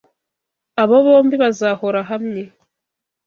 Abo bombi bazahora hamwe.